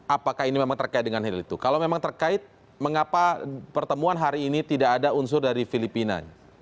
apakah ini memang terkait dengan hal itu kalau memang terkait mengapa pertemuan hari ini tidak ada unsur dari filipina